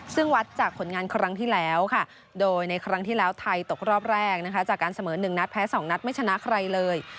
ซึ่งวัดจากผลงานครั้งที่แล้วค่ะโดยในครั้งที่แล้วไทยตกรอบแรกนะคะจากการเสมอ๑นัดแพ้๒นัดไม่ชนะใครเลย